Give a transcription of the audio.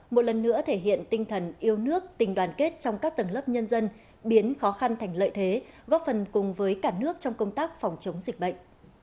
một lần nữa thể hiện tinh thần yêu nước tình đoàn kết trong các tầng lớp nhân dân biến khó khăn thành lợi thế góp phần cùng với cả nước trong công tác phòng chống dịch bệnh